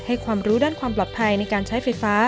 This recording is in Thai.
ความรู้ด้านความปลอดภัยในการใช้ไฟฟ้า